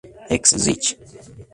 Ex Rich.